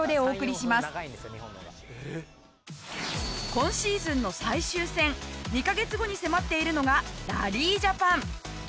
今シーズンの最終戦２カ月後に迫っているのがラリージャパン。